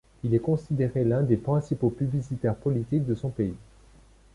Il est considéré l’un des principaux publicitaires politiques de son pays.